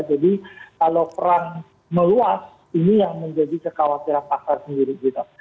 jadi kalau perang meluas ini yang menjadi kekhawatiran pasar sendiri gitu